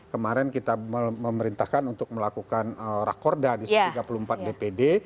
kemarin kita memerintahkan untuk melakukan rakorda di satu ratus tiga puluh empat dpd